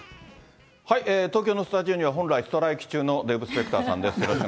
東京のスタジオには、本来ストライキ中のデーブ・スペクターさんです。